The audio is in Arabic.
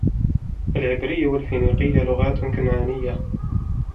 العبرية والفينيقية لغات كنعانية.